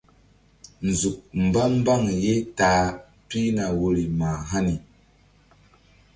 Nzuk mba mbaŋ ye ta a pihna woyri mah hani.